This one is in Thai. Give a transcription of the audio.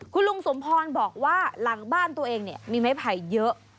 คุณลุงสมพรบอกว่าหลังบ้านตัวเองมีไม้ไผ่เยอะ